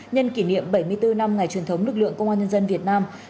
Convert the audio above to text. nhân kỷ niệm bảy mươi bốn năm ngày truyền thống lực lượng công an nhân dân việt nam